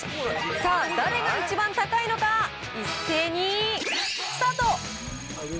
さあ、だれが一番高いのか、一斉にスタート。